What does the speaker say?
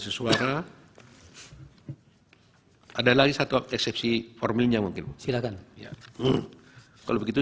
sedikit saja mungkin yang mulia